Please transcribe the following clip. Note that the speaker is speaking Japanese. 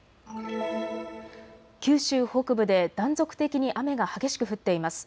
九州北部で断続的に雨が激しく降っています。